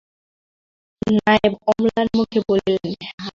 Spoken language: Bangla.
নায়েব অম্লানমুখে বলিলেন, হাঁ।